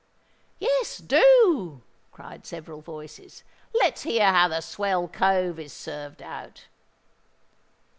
"Yes—do," cried several voices. "Let's hear how the swell cove is served out."